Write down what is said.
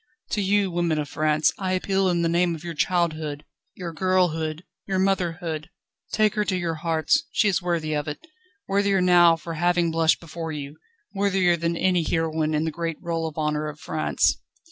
To you, women of France, I appeal in the name of your childhood, your girlhood, your motherhood; take her to your hearts, she is worthy of it, worthier now for having blushed before you, worthier than any heroine in the great roll of honour of France."